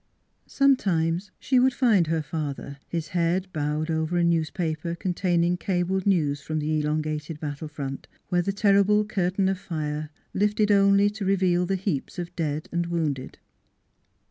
... Sometimes she would find her father, his head bowed over a newspaper containing cabled news from the NEIGHBORS 189 elongated battle front, where the terrible curtain of fire lifted only to reveal the heaps of dead and wounded.